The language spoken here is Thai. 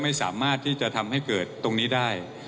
ไม่สามารถที่จะทำให้เกิดตรงนี้ได้